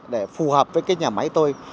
để phù hợp với cái nhà máy tôi